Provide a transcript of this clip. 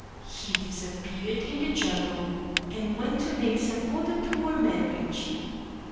He disappeared in the jungle and went to make some other poor man rich.